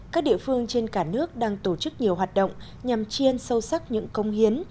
các địa phương trên cả nước đang tổ chức nhiều hoạt động nhằm chiên sâu sắc những công hiến